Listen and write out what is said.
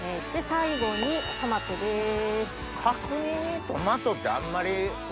最後にトマトです。